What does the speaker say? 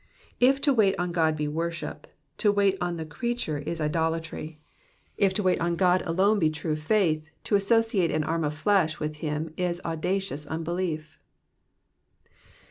If to wait on God be worship, to wait on the creature is idolatry ; if to wait on God alone be true faith, to associate an arm of flesh with him is audacious unbelief.